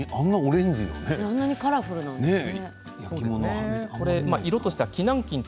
あんなにカラフルなんですね。